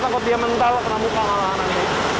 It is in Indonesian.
tajem tuh kalau kelempar lagi